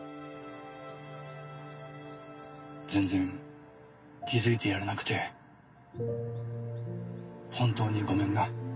全然気付いてやれなくて本当にごめんな。